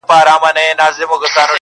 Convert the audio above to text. ته تر کومه انتظار کوې بې بخته-